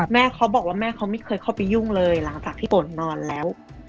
แม่เขาบอกว่าแม่เขาไม่เคยเข้าไปยุ่งเลยหลังจากที่ฝนนอนแล้ว